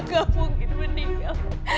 gak mungkin meninggal